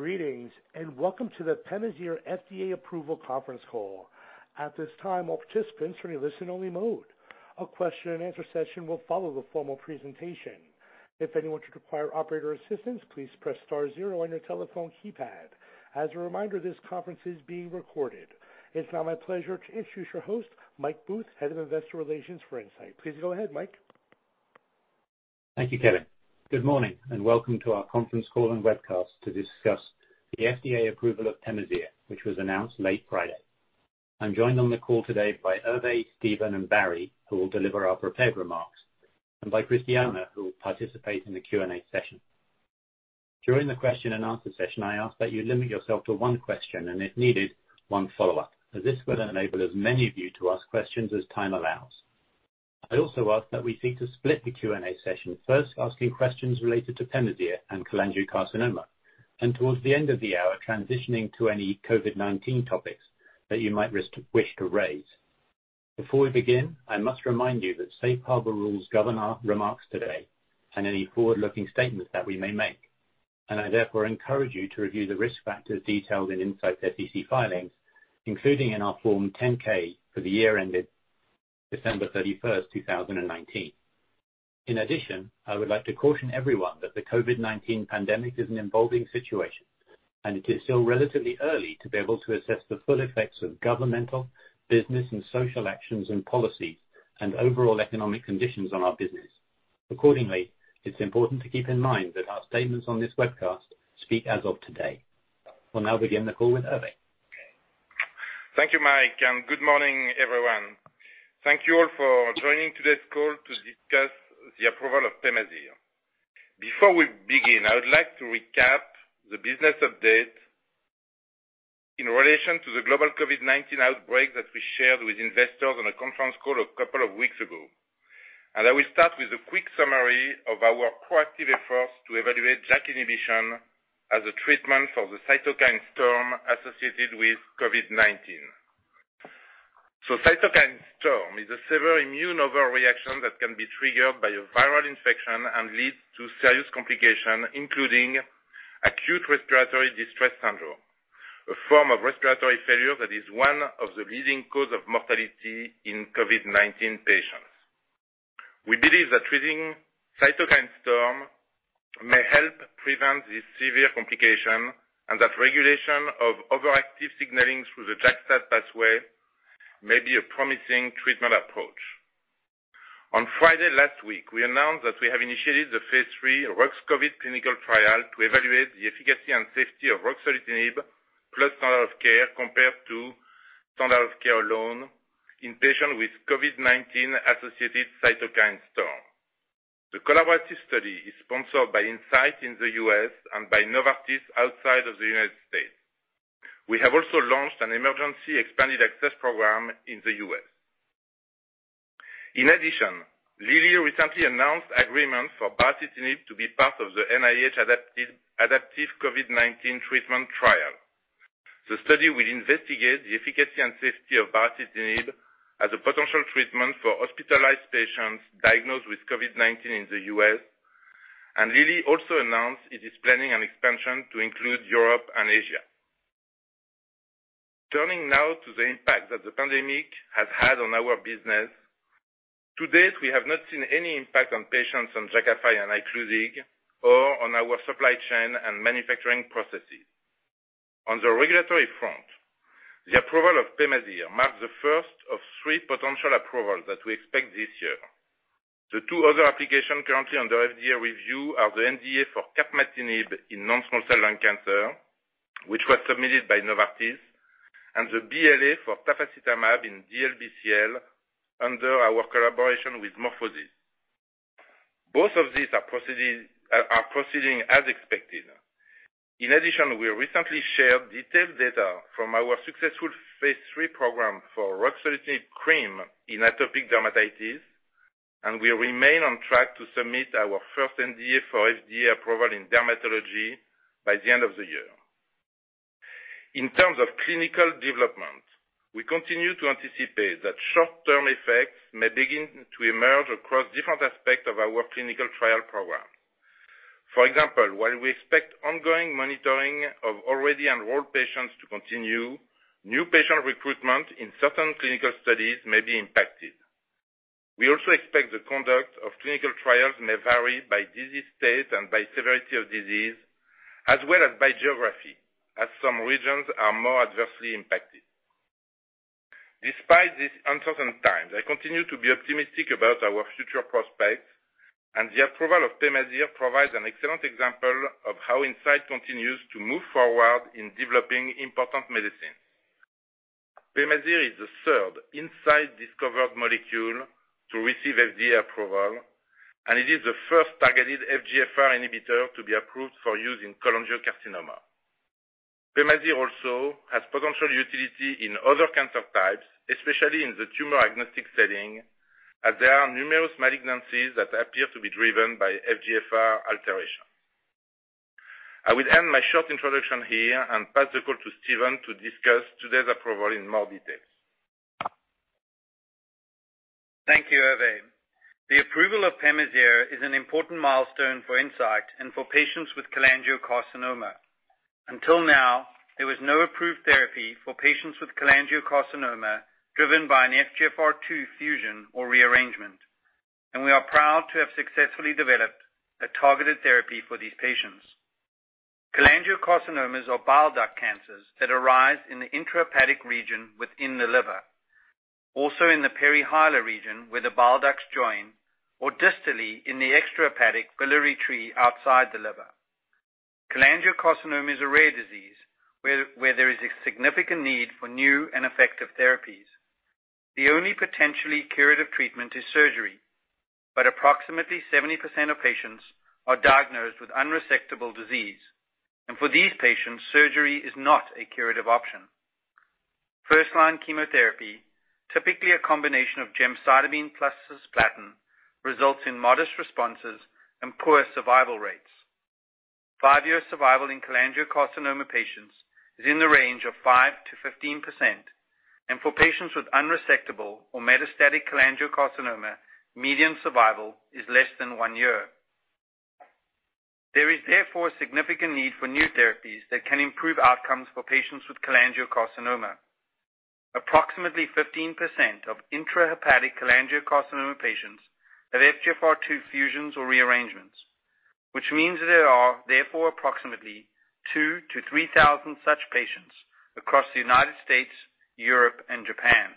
Greetings, welcome to the PEMAZYRE FDA approval conference call. At this time, all participants are in listen-only mode. A question-and-answer session will follow the formal presentation. If anyone should require operator assistance, please press star zero on your telephone keypad. As a reminder, this conference is being recorded. It's now my pleasure to introduce your host, Ben Strain, head of investor relations for Incyte. Please go ahead, Mike. Thank you, Kevin. Good morning and welcome to our conference call and webcast to discuss the FDA approval of PEMAZYRE, which was announced late Friday. I'm joined on the call today by Hervé, Steven, and Barry, who will deliver our prepared remarks, and by Christiana, who will participate in the Q&A session. During the question and answer session, I ask that you limit yourself to one question, and if needed, one follow-up, as this will enable as many of you to ask questions as time allows. I also ask that we seek to split the Q&A session, first asking questions related to PEMAZYRE and cholangiocarcinoma, and towards the end of the hour, transitioning to any COVID-19 topics that you might wish to raise. Before we begin, I must remind you that safe harbor rules govern our remarks today and any forward-looking statements that we may make. I therefore encourage you to review the risk factors detailed in Incyte's SEC filings, including in our Form 10-K for the year ended December 31st, 2019. In addition, I would like to caution everyone that the COVID-19 pandemic is an evolving situation, and it is still relatively early to be able to assess the full effects of governmental, business, and social actions and policies and overall economic conditions on our business. Accordingly, it's important to keep in mind that our statements on this webcast speak as of today. We'll now begin the call with Hervé. Thank you, Mike, good morning, everyone. Thank you all for joining today's call to discuss the approval of PEMAZYRE. Before we begin, I would like to recap the business update in relation to the global COVID-19 outbreak that we shared with investors on a conference call a couple of weeks ago. I will start with a quick summary of our proactive efforts to evaluate JAK inhibition as a treatment for the cytokine storm associated with COVID-19. Cytokine storm is a severe immune overreaction that can be triggered by a viral infection and leads to serious complication, including acute respiratory distress syndrome, a form of respiratory failure that is one of the leading cause of mortality in COVID-19 patients. We believe that treating cytokine storm may help prevent this severe complication and that regulation of overactive signaling through the JAK-STAT pathway may be a promising treatment approach. On Friday last week, we announced that we have initiated the phase III RUXCOVID clinical trial to evaluate the efficacy and safety of ruxolitinib plus standard of care compared to standard of care alone in patients with COVID-19 associated cytokine storm. The collaborative study is sponsored by Incyte in the U.S. and by Novartis outside of the United States. We have also launched an emergency expanded access program in the U.S. In addition, Lilly recently announced agreement for baricitinib to be part of the NIH Adaptive COVID-19 Treatment Trial. The study will investigate the efficacy and safety of baricitinib as a potential treatment for hospitalized patients diagnosed with COVID-19 in the U.S., and Lilly also announced it is planning an expansion to include Europe and Asia. Turning now to the impact that the pandemic has had on our business. To date, we have not seen any impact on patients on Jakafi and ICLUSIG or on our supply chain and manufacturing processes. On the regulatory front, the approval of PEMAZYRE marks the first of three potential approvals that we expect this year. The two other applications currently under FDA review are the NDA for capmatinib in non-small cell lung cancer, which was submitted by Novartis, and the BLA for tafasitamab in DLBCL under our collaboration with MorphoSys. Both of these are proceeding as expected. In addition, we recently shared detailed data from our successful phase III program for ruxolitinib cream in atopic dermatitis, and we remain on track to submit our first NDA for FDA approval in dermatology by the end of the year. In terms of clinical development, we continue to anticipate that short-term effects may begin to emerge across different aspects of our clinical trial program. For example, while we expect ongoing monitoring of already enrolled patients to continue, new patient recruitment in certain clinical studies may be impacted. We also expect the conduct of clinical trials may vary by disease state and by severity of disease, as well as by geography, as some regions are more adversely impacted. Despite these uncertain times, I continue to be optimistic about our future prospects, and the approval of PEMAZYRE provides an excellent example of how Incyte continues to move forward in developing important medicines. PEMAZYRE is the third Incyte-discovered molecule to receive FDA approval, and it is the first targeted FGFR inhibitor to be approved for use in cholangiocarcinoma. PEMAZYRE also has potential utility in other cancer types, especially in the tumor-agnostic setting, as there are numerous malignancies that appear to be driven by FGFR alterations. I will end my short introduction here and pass the call to Steven to discuss today's approval in more details. Thank you, Hervé. The approval of PEMAZYRE is an important milestone for Incyte and for patients with cholangiocarcinoma. Until now, there was no approved therapy for patients with cholangiocarcinoma driven by an FGFR2 fusion or rearrangement, and we are proud to have successfully developed a targeted therapy for these patients. Cholangiocarcinomas are bile duct cancers that arise in the intrahepatic region within the liver, also in the perihilar region where the bile ducts join, or distally in the extrahepatic biliary tree outside the liver. Cholangiocarcinoma is a rare disease where there is a significant need for new and effective therapies. The only potentially curative treatment is surgery, but approximately 70% of patients are diagnosed with unresectable disease, and for these patients, surgery is not a curative option. First-line chemotherapy, typically a combination of gemcitabine plus cisplatin, results in modest responses and poor survival rates. Five-year survival in cholangiocarcinoma patients is in the range of 5%-15%, and for patients with unresectable or metastatic cholangiocarcinoma, median survival is less than one year. There is therefore a significant need for new therapies that can improve outcomes for patients with cholangiocarcinoma. Approximately 15% of intrahepatic cholangiocarcinoma patients have FGFR2 fusions or rearrangements, which means there are therefore approximately 2,000-3,000 such patients across the United States, Europe, and Japan.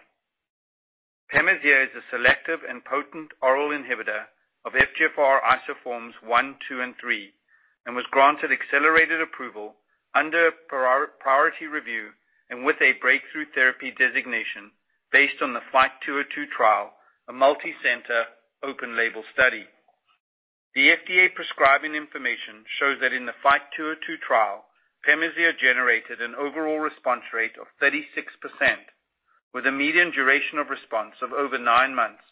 PEMAZYRE is a selective and potent oral inhibitor of FGFR isoforms one, two, and three, and was granted accelerated approval under priority review and with a breakthrough therapy designation based on the FIGHT-202 trial, a multicenter open-label study. The FDA prescribing information shows that in the FIGHT-202 trial, PEMAZYRE generated an overall response rate of 36% with a median duration of response of over nine months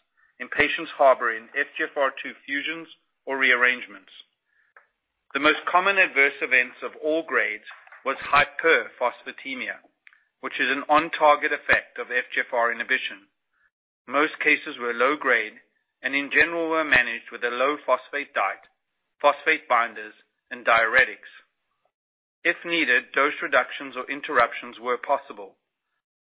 in patients harboring FGFR2 fusions or rearrangements. The most common adverse events of all grades was hyperphosphatemia, which is an on-target effect of FGFR inhibition. Most cases were low grade and in general were managed with a low phosphate diet, phosphate binders, and diuretics. If needed, dose reductions or interruptions were possible.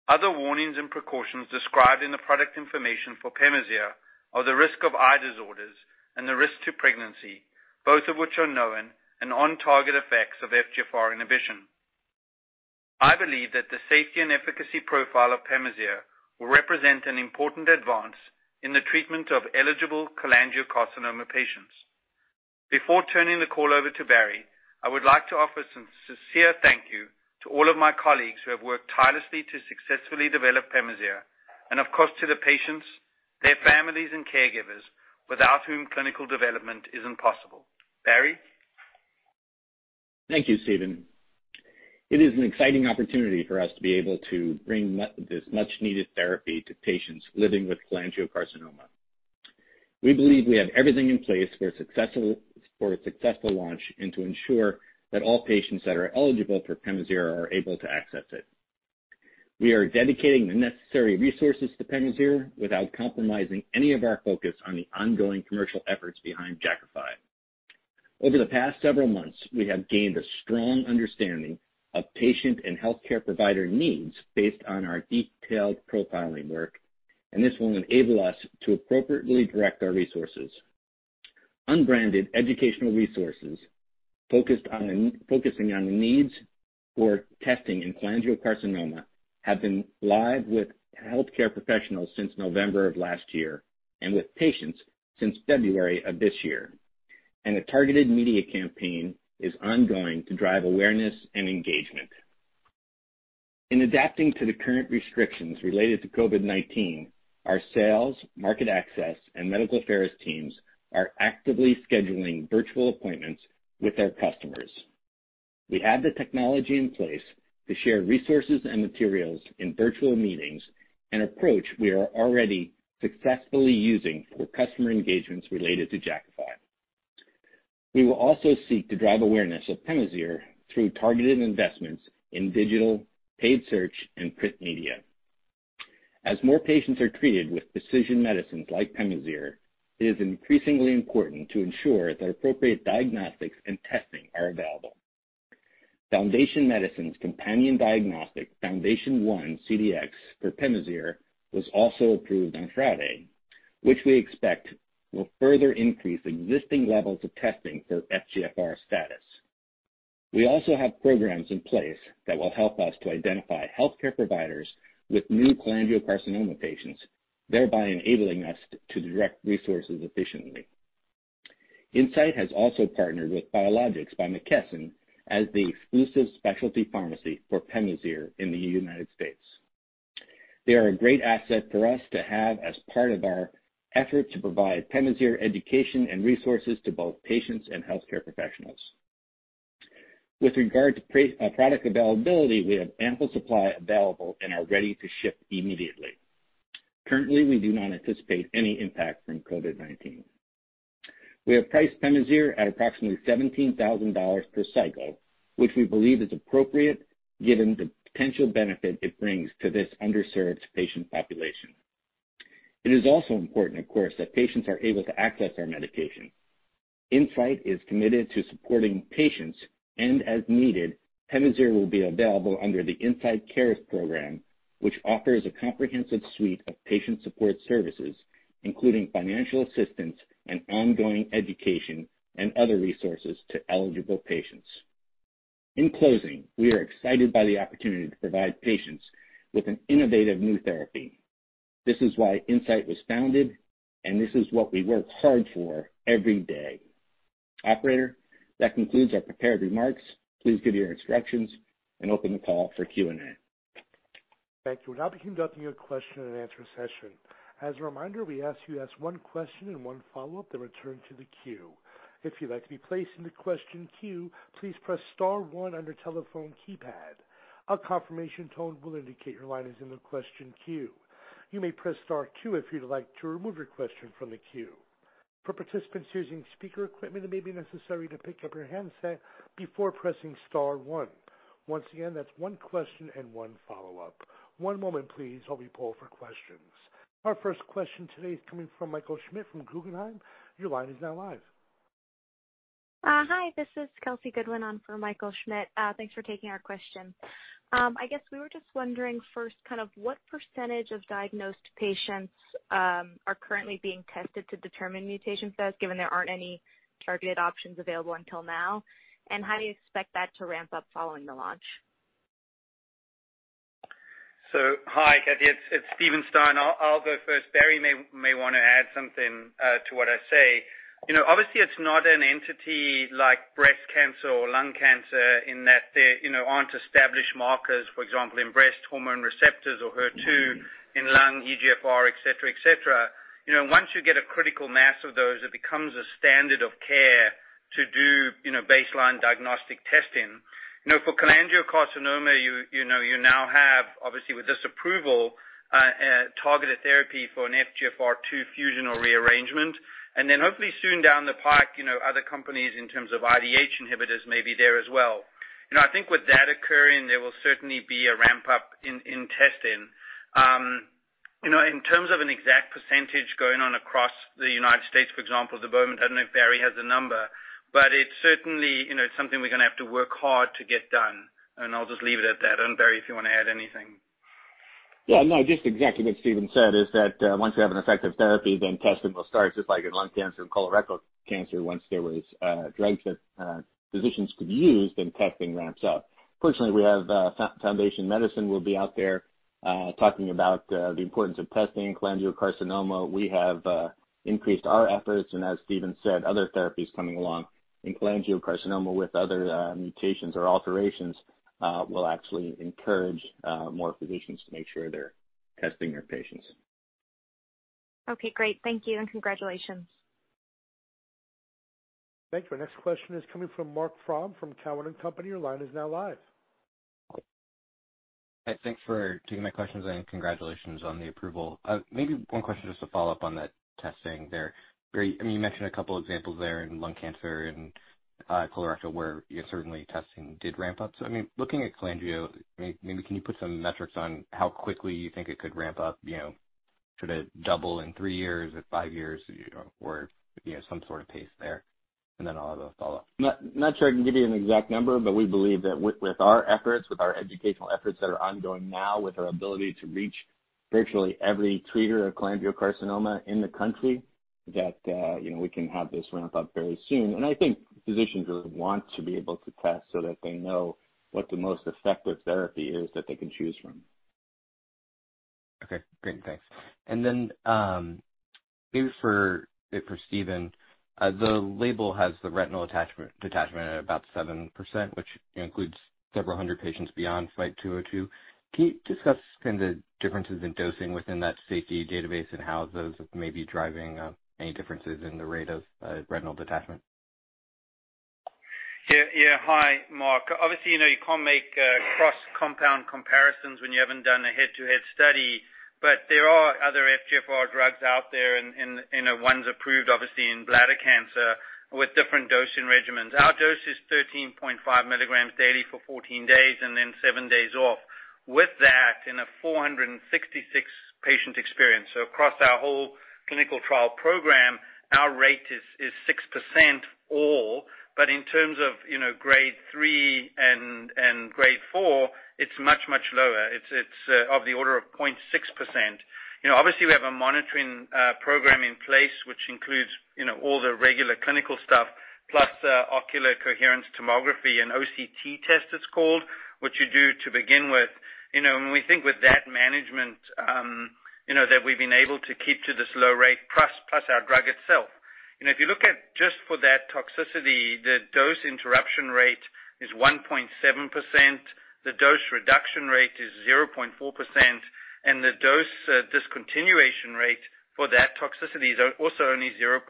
Other warnings and precautions described in the product information for PEMAZYRE are the risk of eye disorders and the risk to pregnancy, both of which are known and on-target effects of FGFR inhibition. I believe that the safety and efficacy profile of PEMAZYRE will represent an important advance in the treatment of eligible cholangiocarcinoma patients. Before turning the call over to Barry, I would like to offer some sincere thank you to all of my colleagues who have worked tirelessly to successfully develop PEMAZYRE and, of course, to the patients, their families, and caregivers, without whom clinical development is impossible. Barry? Thank you, Steven. It is an exciting opportunity for us to be able to bring this much-needed therapy to patients living with cholangiocarcinoma. We believe we have everything in place for a successful launch and to ensure that all patients that are eligible for PEMAZYRE are able to access it. We are dedicating the necessary resources to PEMAZYRE without compromising any of our focus on the ongoing commercial efforts behind Jakafi. Over the past several months, we have gained a strong understanding of patient and healthcare provider needs based on our detailed profiling work, this will enable us to appropriately direct our resources. Unbranded educational resources focusing on the needs for testing in cholangiocarcinoma have been live with healthcare professionals since November of last year and with patients since February of this year. A targeted media campaign is ongoing to drive awareness and engagement. In adapting to the current restrictions related to COVID-19, our sales, market access, and medical affairs teams are actively scheduling virtual appointments with our customers. We have the technology in place to share resources and materials in virtual meetings, an approach we are already successfully using for customer engagements related to Jakafi. We will also seek to drive awareness of PEMAZYRE through targeted investments in digital, paid search, and print media. As more patients are treated with precision medicines like PEMAZYRE, it is increasingly important to ensure that appropriate diagnostics and testing are available. Foundation Medicine's companion diagnostic, FoundationOne CDx for PEMAZYRE, was also approved on Friday, which we expect will further increase existing levels of testing for FGFR status. We also have programs in place that will help us to identify healthcare providers with new cholangiocarcinoma patients, thereby enabling us to direct resources efficiently. Incyte has also partnered with Biologics by McKesson as the exclusive specialty pharmacy for PEMAZYRE in the U.S. They are a great asset for us to have as part of our effort to provide PEMAZYRE education and resources to both patients and healthcare professionals. With regard to product availability, we have ample supply available and are ready to ship immediately. Currently, we do not anticipate any impact from COVID-19. We have priced PEMAZYRE at approximately $17,000 per cycle, which we believe is appropriate given the potential benefit it brings to this underserved patient population. It is also important, of course, that patients are able to access our medication. Incyte is committed to supporting patients, and as needed, PEMAZYRE will be available under the IncyteCARES program, which offers a comprehensive suite of patient support services, including financial assistance and ongoing education and other resources to eligible patients. In closing, we are excited by the opportunity to provide patients with an innovative new therapy. This is why Incyte was founded, and this is what we work hard for every day. Operator, that concludes our prepared remarks. Please give your instructions and open the call for Q&A. Thank you. We'll now be conducting a question and answer session. As a reminder, we ask you to ask one question and one follow-up, then return to the queue. If you'd like to be placed in the question queue, please press star one on your telephone keypad. A confirmation tone will indicate your line is in the question queue. You may press star two if you'd like to remove your question from the queue. For participants using speaker equipment, it may be necessary to pick up your handset before pressing star one. Once again, that's one question and one follow-up. One moment please while we poll for questions. Our first question today is coming from Michael Schmidt from Guggenheim. Your line is now live. Hi, this is Kelsey Goodwin on for Michael Schmidt. Thanks for taking our question. I guess we were just wondering first, what percentage of diagnosed patients are currently being tested to determine mutation status, given there aren't any targeted options available until now? How do you expect that to ramp up following the launch? Hi, Kelsey. It's Steven Stein. I'll go first. Barry may want to add something to what I say. Obviously, it's not an entity like breast cancer or lung cancer in that there aren't established markers, for example, in breast hormone receptors or HER2 in lung EGFR, et cetera. Once you get a critical mass of those, it becomes a standard of care to do baseline diagnostic testing. For cholangiocarcinoma, you now have, obviously, with this approval, a targeted therapy for an FGFR2 fusion or rearrangement. Hopefully soon down the pike, other companies in terms of IDH inhibitors may be there as well. I think with that occurring, there will certainly be a ramp-up in testing. In terms of an exact percentage going on across the U.S., for example, at the moment, I don't know if Barry has a number, but it's certainly something we're going to have to work hard to get done. I'll just leave it at that. Barry, if you want to add anything. Yeah, no, just exactly what Steven said is that once you have an effective therapy, then testing will start, just like in lung cancer and colorectal cancer. Once there was a drug that physicians could use, then testing ramps up. Fortunately, we have Foundation Medicine will be out there talking about the importance of testing in cholangiocarcinoma. We have increased our efforts, and as Steven said, other therapies coming along in cholangiocarcinoma with other mutations or alterations will actually encourage more physicians to make sure they're testing their patients. Okay, great. Thank you, and congratulations. Thank you. Our next question is coming from Marc Frahm from Cowen and Company. Your line is now live. Thanks for taking my questions and congratulations on the approval. Maybe one question just to follow up on that testing there. You mentioned a couple examples there in lung cancer and colorectal where certainly testing did ramp up. Looking at cholangio, maybe can you put some metrics on how quickly you think it could ramp up? Could it double in three years, or five years, or some sort of pace there? Then I'll have a follow-up. Not sure I can give you an exact number. We believe that with our efforts, with our educational efforts that are ongoing now, with our ability to reach virtually every treater of cholangiocarcinoma in the country, that we can have this ramp up very soon. I think physicians will want to be able to test so that they know what the most effective therapy is that they can choose from. Okay, great. Thanks. Maybe for Steven, the label has the retinal detachment at about 7%, which includes several hundred patients beyond FIGHT-202. Can you discuss the differences in dosing within that safety database and how those may be driving any differences in the rate of retinal detachment? Yeah. Hi, Marc. Obviously, you can't make cross-compound comparisons when you haven't done a head-to-head study, but there are other FGFR drugs out there and one's approved, obviously, in bladder cancer with different dosing regimens. Our dose is 13.5 milligrams daily for 14-days and then seven days off. With that, in a 466-patient experience, so across our whole clinical trial program, our rate is 6% all. But in terms of grade 3 and grade 4, it's much, much lower. It's of the order of 0.6%. Obviously, we have a monitoring program in place which includes all the regular clinical stuff plus ocular coherence tomography and OCT test it's called, which you do to begin with. We think with that management that we've been able to keep to this low rate, plus our drug itself. If you look at just for that toxicity, the dose interruption rate is 1.7%, the dose reduction rate is 0.4%, and the dose discontinuation rate for that toxicity is also only 0.4%.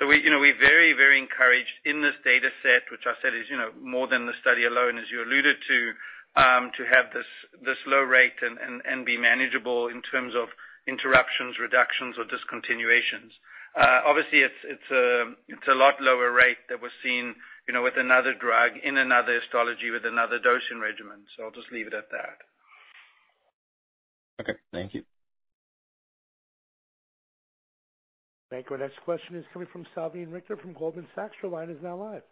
We're very encouraged in this data set, which I said is more than the study alone, as you alluded to have this low rate and be manageable in terms of interruptions, reductions, or discontinuations. Obviously, it's a lot lower rate than we're seeing with another drug in another histology with another dosing regimen. I'll just leave it at that. Okay, thank you. Thank you. Our next question is coming from Salveen Richter from Goldman Sachs. Your line is now live.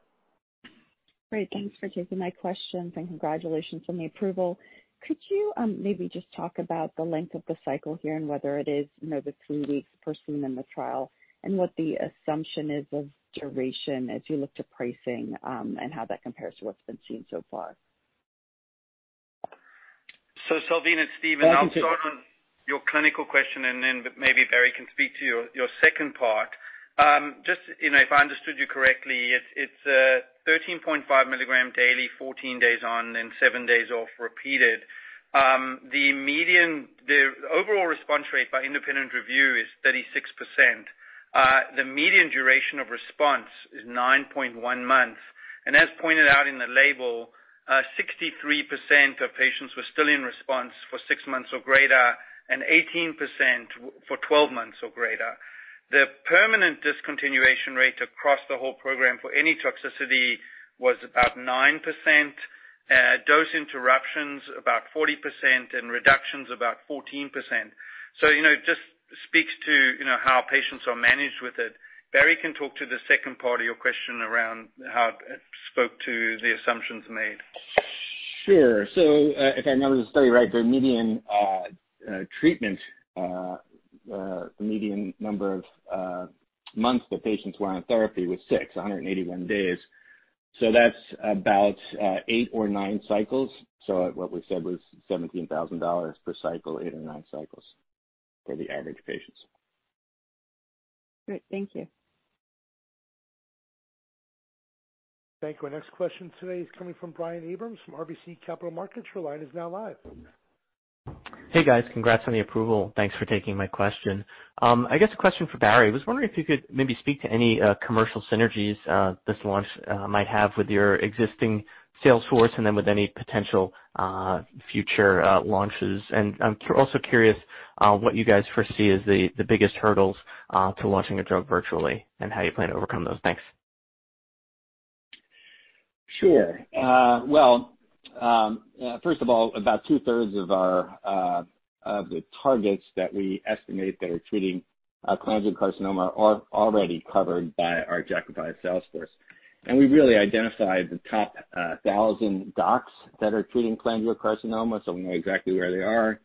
Great. Thanks for taking my question, and congratulations on the approval. Could you maybe just talk about the length of the cycle here and whether it is the three weeks per seen in the trial, and what the assumption is of duration as you look to pricing, and how that compares to what's been seen so far? Salveen, it's Steven. I'll start on your clinical question, and then maybe Barry can speak to your second part. Just if I understood you correctly, it's 13.5 milligram daily, 14-days on, and seven days off repeated. The overall response rate by independent review is 36%. The median duration of response is 9.1-months. As pointed out in the label, 63% of patients were still in response for six months or greater, and 18% for 12-months or greater. The permanent discontinuation rate across the whole program for any toxicity was about 9%, dose interruptions about 40%, and reductions about 14%. It just speaks to how patients are managed with it. Barry can talk to the second part of your question around how it spoke to the assumptions made. Sure. If I remember the study right, the median treatment, the median number of months that patients were on therapy was six, 181-days. That's about eight or nine cycles. What we said was $17,000 per cycle, eight or nine cycles for the average patients. Great. Thank you. Thank you. Our next question today is coming from Brian Abrahams from RBC Capital Markets. Your line is now live. Hey, guys. Congrats on the approval. Thanks for taking my question. I guess a question for Barry. I was wondering if you could maybe speak to any commercial synergies this launch might have with your existing sales force, and then with any potential future launches. I'm also curious what you guys foresee as the biggest hurdles to launching a drug virtually, and how you plan to overcome those. Thanks. Sure. Well, first of all, about two-thirds of the targets that we estimate that are treating cholangiocarcinoma are already covered by our Jakafi sales force. We really identified the top 1,000 docs that are treating cholangiocarcinoma, so we know exactly where they are.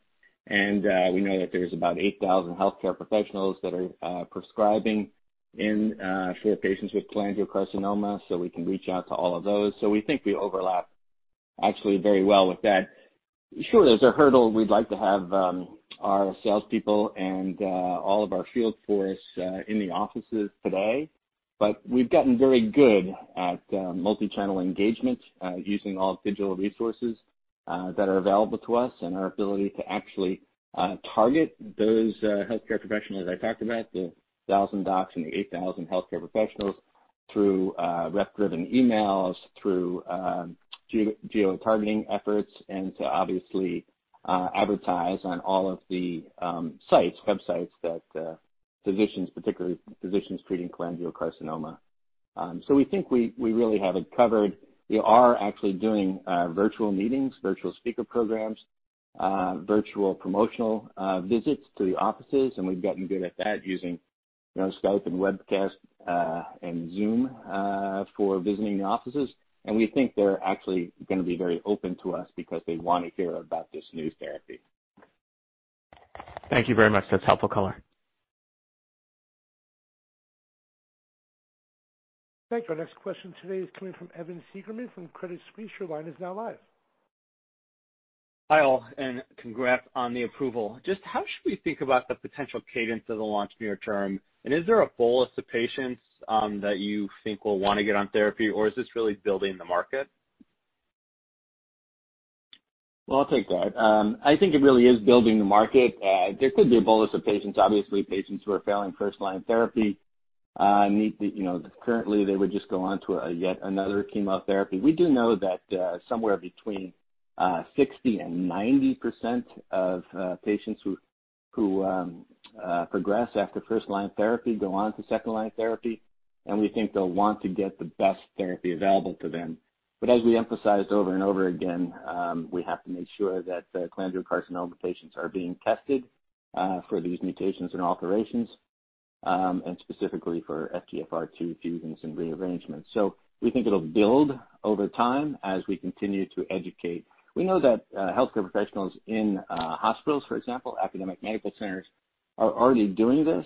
We know that there's about 8,000 healthcare professionals that are prescribing for patients with cholangiocarcinoma, so we can reach out to all of those. We think we overlap actually very well with that. Sure, there's a hurdle. We'd like to have our salespeople and all of our field force in the offices today. We've gotten very good at multi-channel engagement using all the digital resources that are available to us and our ability to actually target those healthcare professionals I talked about, the 1,000 docs and the 8,000 healthcare professionals, through rep-driven emails, through geotargeting efforts, to obviously advertise on all of the websites that physicians, particularly physicians treating cholangiocarcinoma. We think we really have it covered. We are actually doing virtual meetings, virtual speaker programs, virtual promotional visits to the offices. We've gotten good at that using Skype and webcast, Zoom for visiting the offices. We think they're actually going to be very open to us because they want to hear about this new therapy. Thank you very much. That's helpful color. Thank you. Our next question today is coming from Evan Seigerman from Credit Suisse. Your line is now live. Hi, all. Congrats on the approval. Just how should we think about the potential cadence of the launch near term? Is there a bolus of patients that you think will want to get on therapy, or is this really building the market? Well, I'll take that. I think it really is building the market. There could be a bolus of patients. Obviously, patients who are failing first-line therapy need currently they would just go on to yet another chemotherapy. We do know that somewhere between 60% and 90% of patients who progress after first-line therapy go on to second-line therapy, and we think they'll want to get the best therapy available to them. As we emphasized over and over again, we have to make sure that cholangiocarcinoma patients are being tested for these mutations and alterations, and specifically for FGFR2 fusions and rearrangements. We think it'll build over time as we continue to educate. We know that healthcare professionals in hospitals, for example, academic medical centers, are already doing this.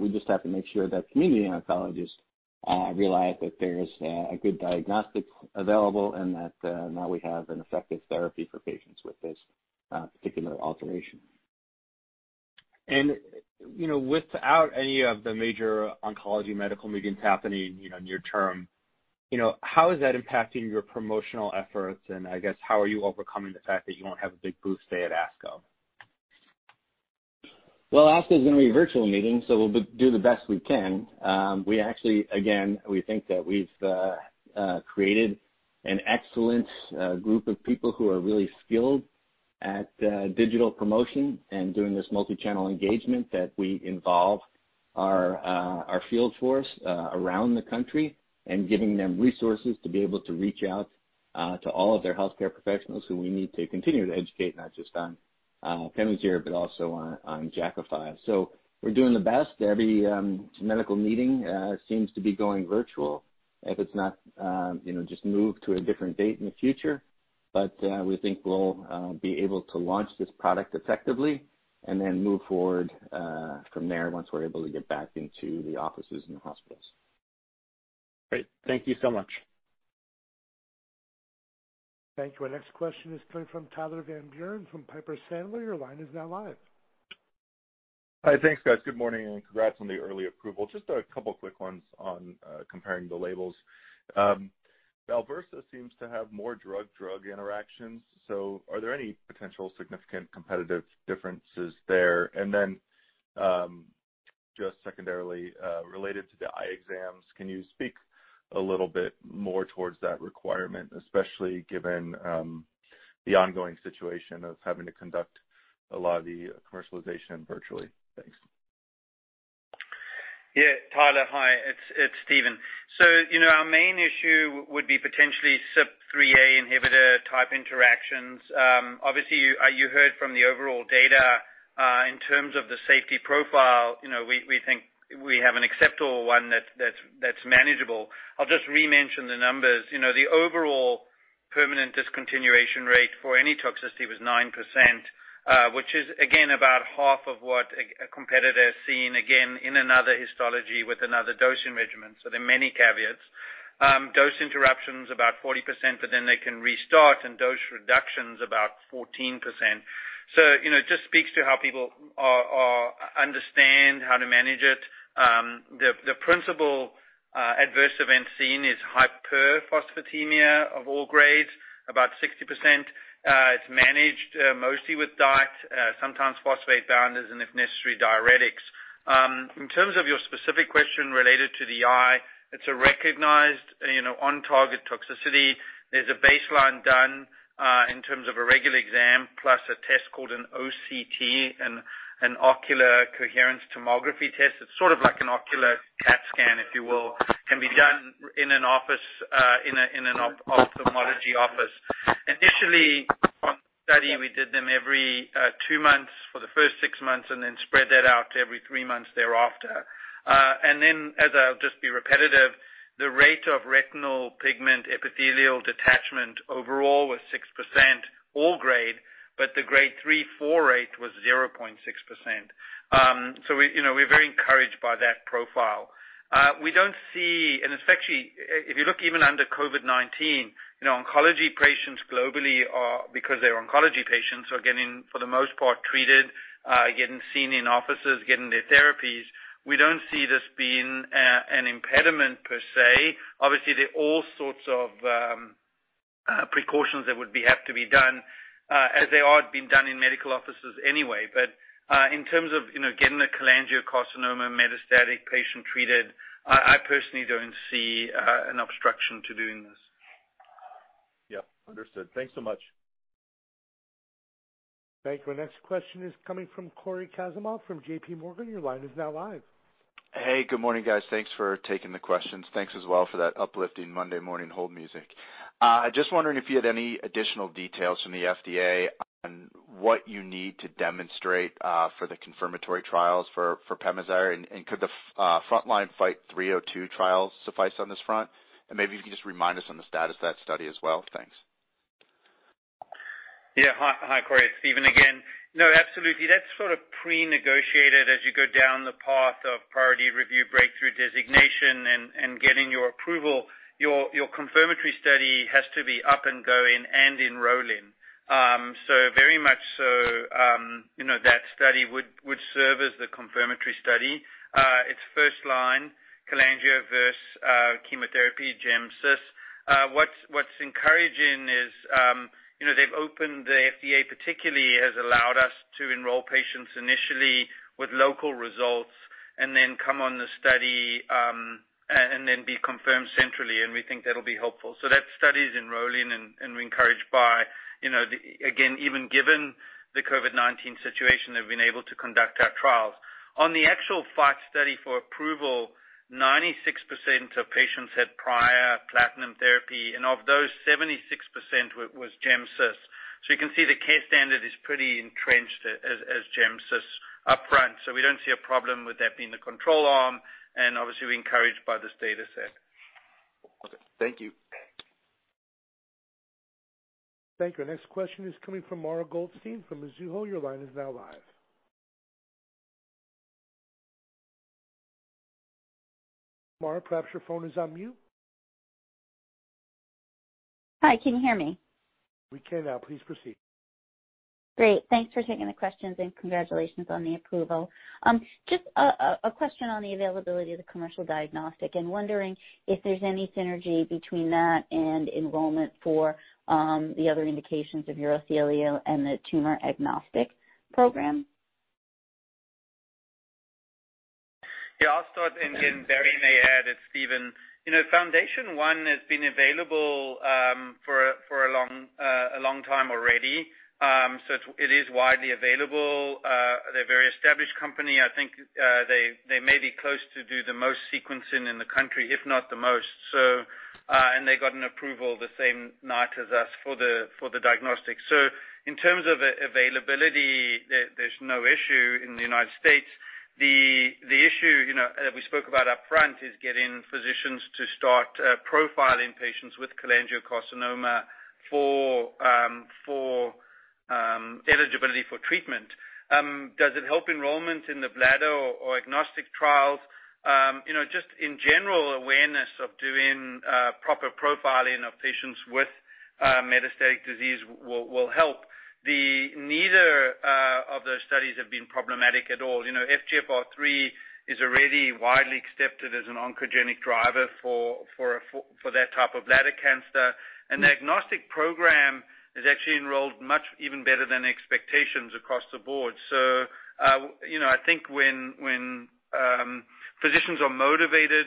We just have to make sure that community oncologists realize that there is a good diagnostic available and that now we have an effective therapy for patients with this particular alteration. Without any of the major oncology medical meetings happening near term, how is that impacting your promotional efforts? I guess how are you overcoming the fact that you won't have a big booth stay at ASCO? Well, ASCO is going to be a virtual meeting, we'll do the best we can. Again, we think that we've created an excellent group of people who are really skilled at digital promotion and doing this multi-channel engagement that we involve our field force around the country, and giving them resources to be able to reach out to all of their healthcare professionals who we need to continue to educate, not just on PEMAZYRE, but also on Jakafi. We're doing the best. Every medical meeting seems to be going virtual. If it's not, just move to a different date in the future. We think we'll be able to launch this product effectively and then move forward from there once we're able to get back into the offices and the hospitals. Great. Thank you so much. Thank you. Our next question is coming from Tyler Van Buren from Piper Sandler. Your line is now live. Hi. Thanks, guys. Good morning, and congrats on the early approval. Just a couple of quick ones on comparing the labels. BALVERSA seems to have more drug-drug interactions. Are there any potential significant competitive differences there? Just secondarily, related to the eye exams, can you speak a little bit more towards that requirement, especially given the ongoing situation of having to conduct a lot of the commercialization virtually? Thanks. Tyler, hi. It's Steven. Our main issue would be potentially CYP3A inhibitor type interactions. Obviously, you heard from the overall data in terms of the safety profile. We think we have an acceptable one that's manageable. I'll just re-mention the numbers. The overall permanent discontinuation rate for any toxicity was 9%, which is again, about half of what a competitor is seeing, again, in another histology with another dosing regimen. There are many caveats. Dose interruptions, about 40%, but then they can restart. Dose reductions, about 14%. It just speaks to how people understand how to manage it. The principal adverse event seen is hyperphosphatemia of all grades, about 60%. It's managed mostly with diet, sometimes phosphate binders, and if necessary, diuretics. In terms of your specific question related to the eye, it's a recognized on-target toxicity. There's a baseline done in terms of a regular exam plus a test called an OCT, an ocular coherence tomography test. It's sort of like an ocular CAT scan, if you will. It can be done in an ophthalmology office. Initially, on the study, we did them every two months for the first six months and then spread that out to every three months thereafter. Then, as I'll just be repetitive, the rate of retinal pigment epithelial detachment overall was 6%, all grade, but the Grade 3-4 rate was 0.6%. We're very encouraged by that profile. If you look even under COVID-19, oncology patients globally are, because they're oncology patients, are getting, for the most part, treated, getting seen in offices, getting their therapies. We don't see this being an impediment, per se. Obviously, there are all sorts of precautions that would have to be done as they are being done in medical offices anyway. In terms of getting a cholangiocarcinoma metastatic patient treated, I personally don't see an obstruction to doing this. Yeah. Understood. Thanks so much. Thank you. Our next question is coming from Cory Kasimov from JPMorgan. Your line is now live. Hey, good morning, guys. Thanks for taking the questions. Thanks as well for that uplifting Monday morning hold music. Just wondering if you had any additional details from the FDA on what you need to demonstrate for the confirmatory trials for PEMAZYRE, and could the frontline FIGHT-302 phase III trials suffice on this front? Maybe if you can just remind us on the status of that study as well. Thanks. Yeah. Hi, Cory. It's Steven again. No, absolutely. That's sort of prenegotiated as you go down the path of priority review, breakthrough designation, and getting your approval. Your confirmatory study has to be up and going and enrolling. Very much so, that study would serve as the confirmatory study. It's first line cholangio verse chemotherapy gemcitabine. What's encouraging is the FDA particularly has allowed us to enroll patients initially with local results and then come on the study and then be confirmed centrally, and we think that'll be helpful. That study is enrolling, and we're encouraged by, again, even given the COVID-19 situation, they've been able to conduct our trials. On the actual FIGHT study for approval, 96% of patients had prior platinum therapy, and of those, 76% was gemcitabine. You can see the care standard is pretty entrenched as gemcitabine upfront. We don't see a problem with that being the control arm, and obviously, we're encouraged by this data set. Awesome. Thank you. Thank you. Our next question is coming from Mara Goldstein from Mizuho. Your line is now live. Mara, perhaps your phone is on mute. Hi, can you hear me? We can now. Please proceed. Great. Thanks for taking the questions and congratulations on the approval. Just a question on the availability of the commercial diagnostic, and wondering if there's any synergy between that and enrollment for the other indications of urothelial and the tumor agnostic program. I'll start and then Barry may add as Steven. FoundationOne has been available for a long time already. It is widely available. They're a very established company. I think they may be close to do the most sequencing in the country, if not the most. They got an approval the same night as us for the diagnostics. In terms of availability, there's no issue in the U.S. The issue that we spoke about upfront is getting physicians to start profiling patients with cholangiocarcinoma for eligibility for treatment. Does it help enrollment in the bladder or agnostic trials? Just in general, awareness of doing proper profiling of patients with metastatic disease will help. Neither of those studies have been problematic at all. FGFR3 is already widely accepted as an oncogenic driver for that type of bladder cancer. The agnostic program has actually enrolled much even better than expectations across the board. I think when physicians are motivated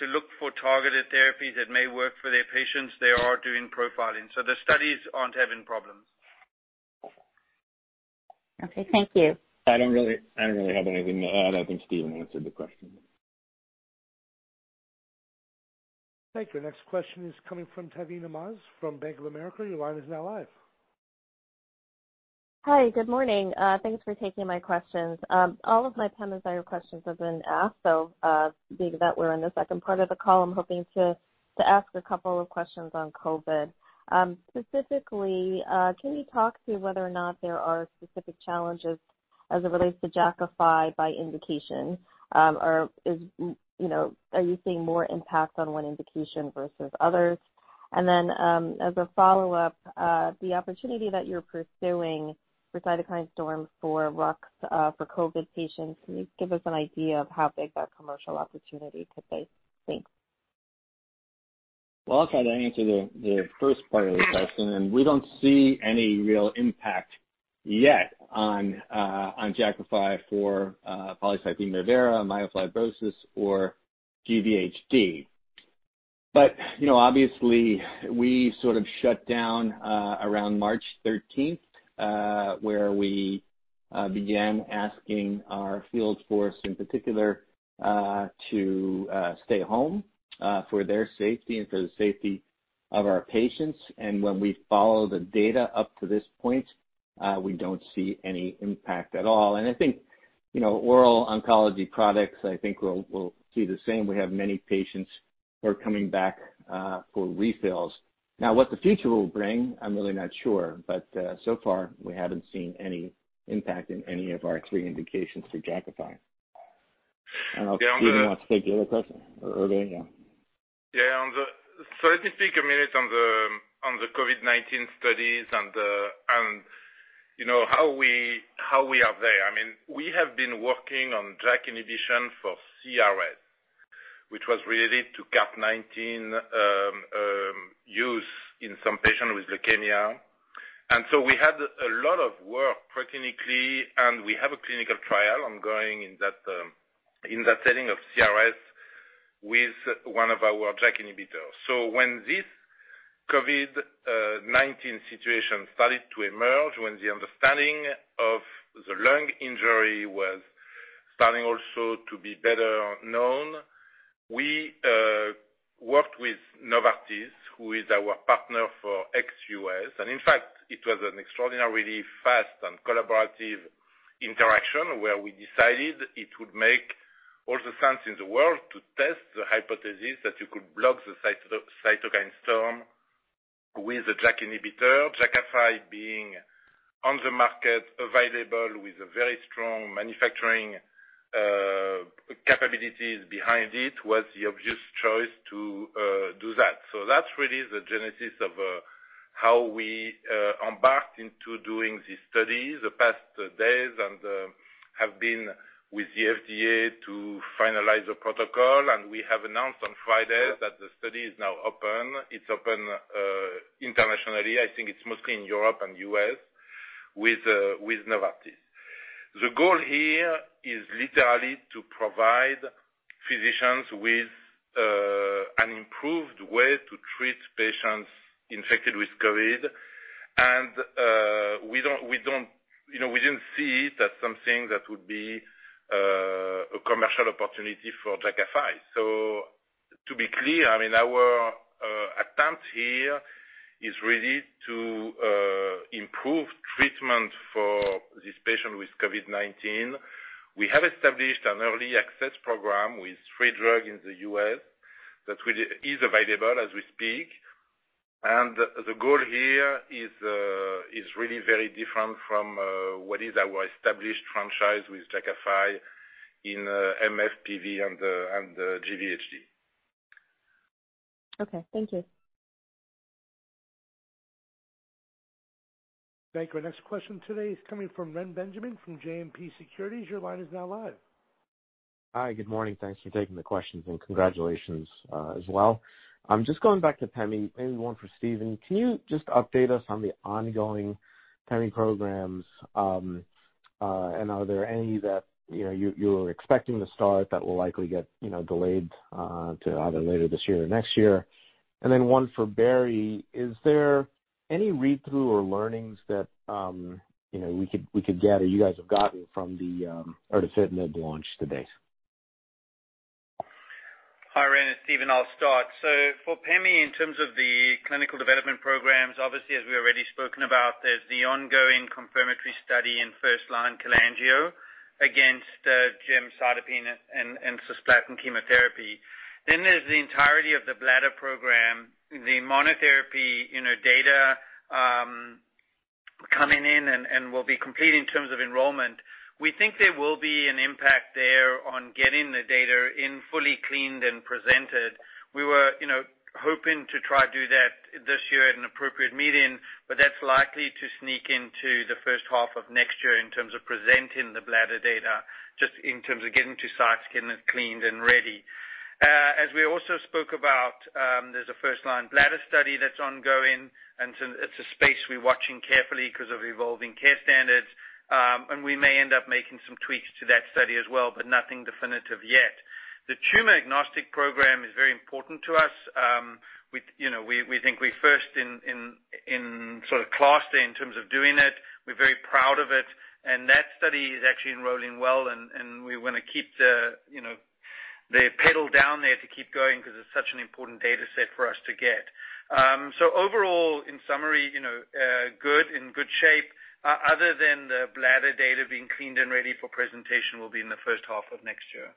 to look for targeted therapies that may work for their patients, they are doing profiling, so the studies aren't having problems. Okay, thank you. I don't really have anything. I think Steven answered the question. Thank you. Next question is coming from Tazeen Ahmad from Bank of America. Your line is now live. Hi, good morning. Thanks for taking my questions. All of my pemetrexed questions have been asked, so being that we're in the second part of the call, I'm hoping to ask a couple of questions on COVID. Specifically, can you talk to whether or not there are specific challenges as it relates to Jakafi by indication? Are you seeing more impact on one indication versus others? As a follow-up, the opportunity that you're pursuing for cytokine storm for ruxolitinib for COVID patients, can you give us an idea of how big that commercial opportunity could be, thanks. Well, I'll try to answer the first part of the question. We don't see any real impact yet on Jakafi for polycythemia vera, myelofibrosis, or GVHD. Obviously, we sort of shut down around March 13th, where we began asking our field force in particular to stay home for their safety and for the safety of our patients. When we follow the data up to this point, we don't see any impact at all. I think oral oncology products, I think will see the same. We have many patients who are coming back for refills. Now, what the future will bring, I'm really not sure, but so far we haven't seen any impact in any of our three indications for Jakafi. I don't know if Steven wants to take the other question early on. Yeah. Let me speak a minute on the COVID-19 studies and how we are there. We have been working on JAK inhibition for CRS, which was related to CAR-19 use in some patients with leukemia. We had a lot of work pre-clinically, and we have a clinical trial ongoing in that setting of CRS with one of our JAK inhibitors. When this COVID-19 situation started to emerge, when the understanding of the lung injury was starting also to be better known, we worked with Novartis, who is our partner for ex-U.S., in fact, it was an extraordinarily fast and collaborative interaction where we decided it would make all the sense in the world to test the hypothesis that you could block the cytokine storm with a JAK inhibitor. Jakafi being on the market, available with very strong manufacturing capabilities behind it, was the obvious choice to do that. That's really the genesis of how we embarked into doing this study the past days and have been with the FDA to finalize a protocol. We have announced on Friday that the study is now open. It's open internationally. I think it's mostly in Europe and U.S. with Novartis. The goal here is literally to provide physicians with an improved way to treat patients infected with COVID-19. We didn't see it as something that would be a commercial opportunity for Jakafi. To be clear, our attempt here is really to improve treatment for this patient with COVID-19. We have established an early access program with free drug in the U.S. that is available as we speak. The goal here is really very different from what is our established franchise with Jakafi in MFPV and GVHD. Okay, thank you. Thank you. Our next question today is coming from Reni Benjamin from JMP Securities. Your line is now live. Hi. Good morning. Thanks for taking the questions, congratulations as well. Just going back to Pemi, maybe one for Steven. Can you just update us on the ongoing Pemi programs? Are there any that you're expecting to start that will likely get delayed to either later this year or next year? One for Barry. Is there any read-through or learnings that we could gather, you guys have gotten from the itacitinib launch to date? Hi, Ren. It's Steven. I'll start. For Pemi, in terms of the clinical development programs, obviously, as we already spoken about, there's the ongoing confirmatory study in first-line cholangio against gemcitabine and cisplatin chemotherapy. There's the entirety of the bladder program, the monotherapy data coming in and will be complete in terms of enrollment. We think there will be an impact there on getting the data in fully cleaned and presented. We were hoping to try to do that this year at an appropriate meeting, but that's likely to sneak into the first half of next year in terms of presenting the bladder data, just in terms of getting to sites, getting it cleaned and ready. As we also spoke about, there's a first-line bladder study that's ongoing, and it's a space we're watching carefully because of evolving care standards. We may end up making some tweaks to that study as well, but nothing definitive yet. The tumor-agnostic program is very important to us. We think we're first in sort of class there in terms of doing it. We're very proud of it, and that study is actually enrolling well, and we want to keep the pedal down there to keep going because it's such an important data set for us to get. Overall, in summary, in good shape other than the bladder data being cleaned and ready for presentation will be in the first half of next year.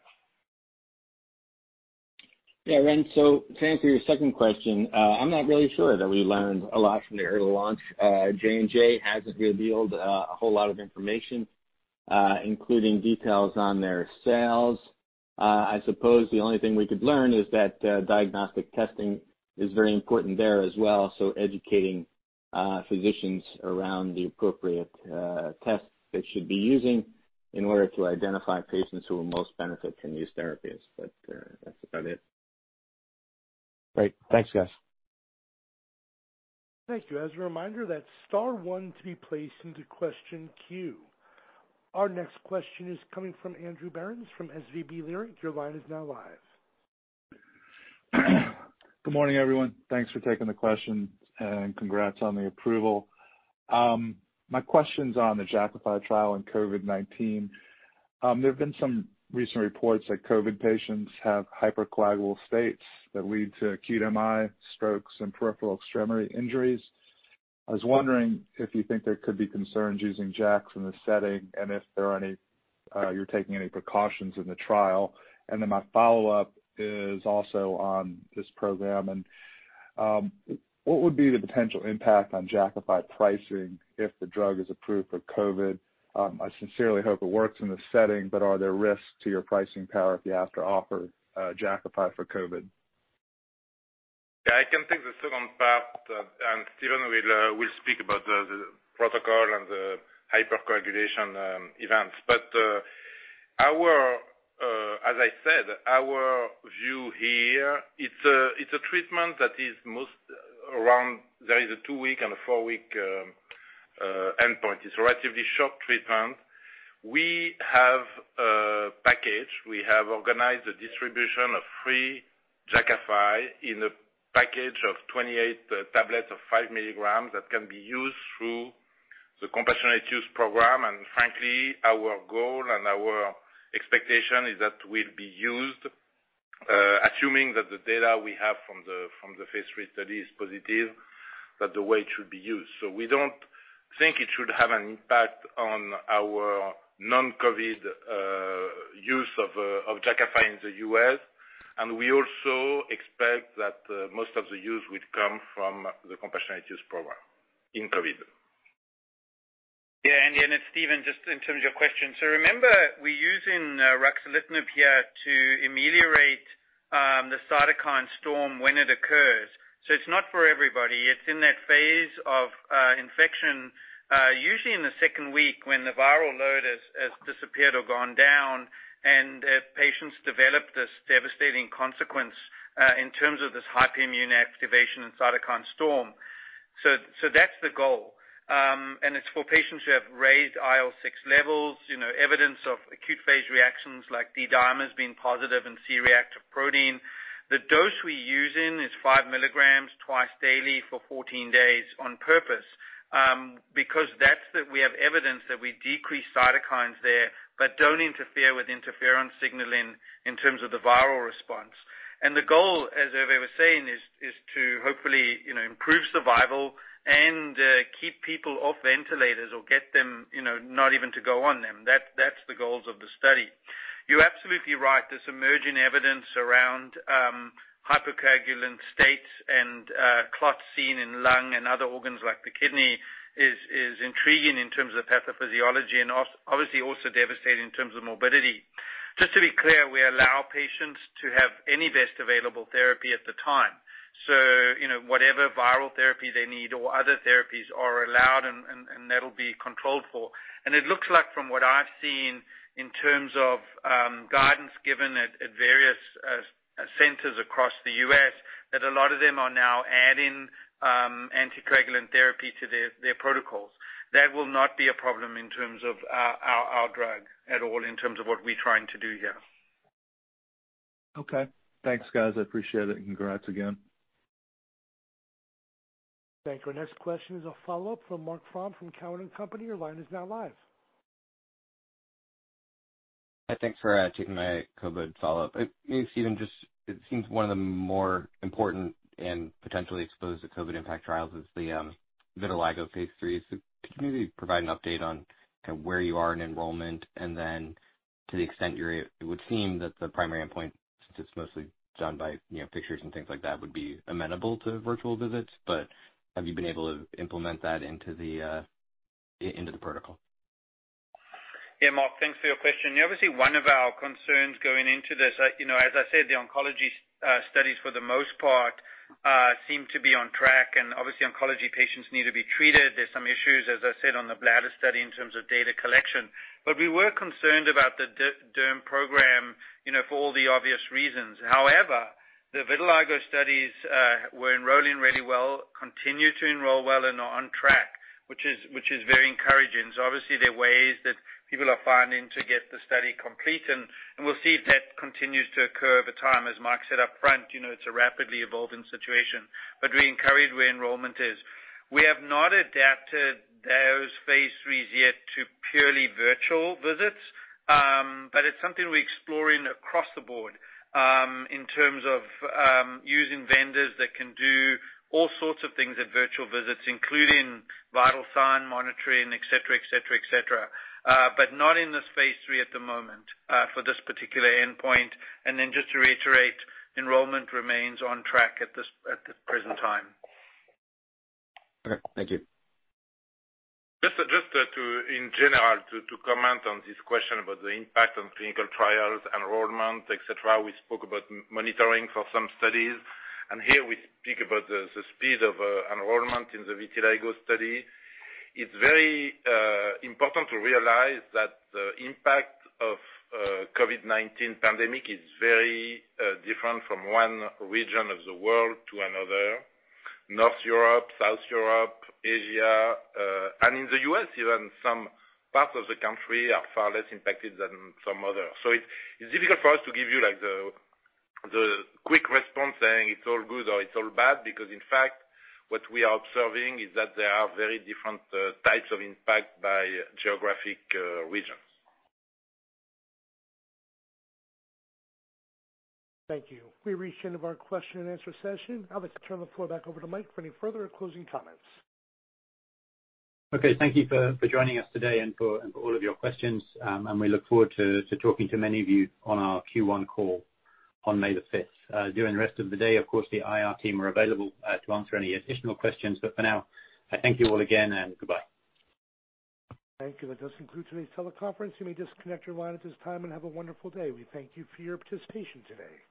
Yeah, Ren. To answer your second question, I'm not really sure that we learned a lot from the early launch. J&J hasn't revealed a whole lot of information, including details on their sales. I suppose the only thing we could learn is that diagnostic testing is very important there as well, so educating physicians around the appropriate tests they should be using in order to identify patients who will most benefit from these therapies. That's about it. Great. Thanks, guys. Thank you. As a reminder, that's star one to be placed into question queue. Our next question is coming from Andrew Berens from SVB Leerink. Your line is now live. Good morning, everyone. Thanks for taking the question and congrats on the approval. My question's on the Jakafi trial and COVID-19. There have been some recent reports that COVID patients have hypercoagulable states that lead to acute MI strokes and peripheral extremity injuries. I was wondering if you think there could be concerns using JAKs in this setting and if you're taking any precautions in the trial. My follow-up is also on this program. What would be the potential impact on Jakafi pricing if the drug is approved for COVID? I sincerely hope it works in this setting, are there risks to your pricing power if you have to offer Jakafi for COVID? Yeah, I can take the second part. Steven will speak about the protocol and the hypercoagulation events. As I said, our view here, it's a treatment that is most around there is a two-week and a four-week endpoint. It's a relatively short treatment. We have a package. We have organized a distribution of free Jakafi in a package of 28 tablets of five milligrams that can be used through the Compassionate Use Program. Frankly, our goal and our expectation is that will be used, assuming that the data we have from the phase III study is positive that the way it should be used. We don't think it should have an impact on our non-COVID use of Jakafi in the U.S. We also expect that most of the use would come from the Compassionate Use Program in COVID. It's Steven, just in terms of your question. Remember, we're using ruxolitinib here to ameliorate the cytokine storm when it occurs. It's not for everybody. It's in that phase of infection, usually in the second week when the viral load has disappeared or gone down and patients develop this devastating consequence in terms of this hyperimmune activation and cytokine storm. That's the goal. It's for patients who have raised IL-6 levels, evidence of acute phase reactions like D-dimers being positive and C-reactive protein. The dose we're using is five milligrams twice daily for 14-days on purpose. Because that's that we have evidence that we decrease cytokines there but don't interfere with interferon signaling in terms of the viral response. The goal, as Hervé was saying, is to hopefully improve survival and keep people off ventilators or get them not even to go on them. That's the goals of the study. You're absolutely right. There's emerging evidence around hypercoagulant states and clots seen in lung and other organs like the kidney is intriguing in terms of pathophysiology and obviously also devastating in terms of morbidity. Just to be clear, we allow patients to have any best available therapy at the time. Whatever viral therapy they need or other therapies are allowed and that'll be controlled for. It looks like from what I've seen in terms of guidance given at various centers across the U.S., that a lot of them are now adding anticoagulant therapy to their protocols. That will not be a problem in terms of our drug at all in terms of what we're trying to do here. Okay. Thanks, guys. I appreciate it, and congrats again. Thank you. Our next question is a follow-up from Marc Frahm from Cowen and Company. Your line is now live. Thanks for taking my COVID follow-up. Steven, it seems one of the more important and potentially exposed to COVID impact trials is the vitiligo phase III. Could you maybe provide an update on where you are in enrollment and then to the extent it would seem that the primary endpoint, since it's mostly done by pictures and things like that, would be amenable to virtual visits. Have you been able to implement that into the protocol? Yeah, Marc, thanks for your question. Obviously, one of our concerns going into this, as I said, the oncology studies for the most part seem to be on track, and obviously oncology patients need to be treated. There are some issues, as I said, on the bladder study in terms of data collection. We were concerned about the derm program for all the obvious reasons. However, the vitiligo studies were enrolling really well, continue to enroll well and are on track, which is very encouraging. Obviously there are ways that people are finding to get the study complete, and we'll see if that continues to occur over time. As Marc said up front, it's a rapidly evolving situation, but we're encouraged where enrollment is. We have not adapted those phase IIIs yet to purely virtual visits. It's something we're exploring across the board, in terms of using vendors that can do all sorts of things at virtual visits, including vital sign monitoring, et cetera. Not in this phase III at the moment for this particular endpoint. Then just to reiterate, enrollment remains on track at the present time. Okay. Thank you. Just in general to comment on this question about the impact on clinical trials, enrollment, et cetera. We spoke about monitoring for some studies, and here we speak about the speed of enrollment in the vitiligo study. It's very important to realize that the impact of COVID-19 pandemic is very different from one region of the world to another. North Europe, South Europe, Asia, and in the U.S. even some parts of the country are far less impacted than some others. It's difficult for us to give you the quick response saying it's all good or it's all bad, because in fact, what we are observing is that there are very different types of impact by geographic regions. Thank you. We've reached the end of our question-and-answer session. I'd like to turn the floor back over to Mike for any further closing comments. Okay, thank you for joining us today and for all of your questions. We look forward to talking to many of you on our Q1 call on May the 5th. During the rest of the day, of course, the IR team are available to answer any additional questions. For now, I thank you all again and goodbye. Thank you. That does conclude today's teleconference. You may disconnect your line at this time and have a wonderful day. We thank you for your participation today.